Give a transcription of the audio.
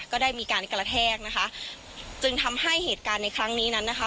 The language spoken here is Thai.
ก็ได้มีการกระแทกนะคะจึงทำให้เหตุการณ์ในครั้งนี้นั้นนะคะ